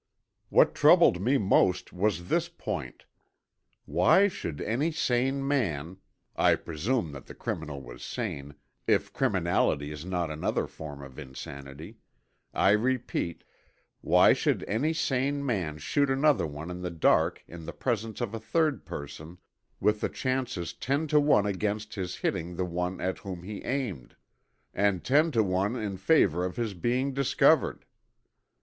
What troubled me most was this point. Why should any sane man (I presume that the criminal was sane, if criminality is not another form of insanity) I repeat, why should any sane man shoot another one in the dark in the presence of a third person with the chances ten to one against his hitting the one at whom he aimed, and ten to one in favor of his being discovered?